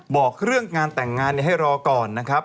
บอกเรื่องงานแต่งงานให้รอก่อนนะครับ